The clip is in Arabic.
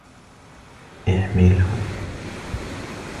احمله.